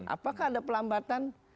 apakah ada perlambatan